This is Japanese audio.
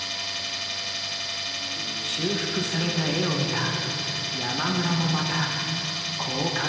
修復された絵を見た山村もまたこう感じていた。